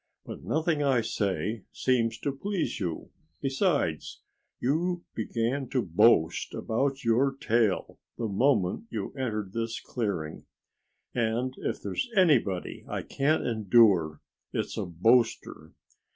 But nothing I say seems to please you. Besides, you began to boast about your tail the moment you entered this clearing. And if there's anybody I can't endure, it's a boaster."